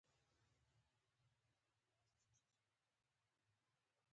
یا دی ځي یا یې خپل خپلوان لېږي.